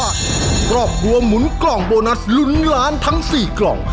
ครอบครัวหมุนกล่องโบนัสลุ้นล้านทั้ง๔กล่อง